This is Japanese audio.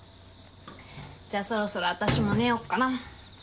じゃあそろそろ私も寝よっかな。